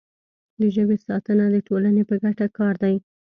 د ژبې ساتنه د ټولنې په ګټه کار دی.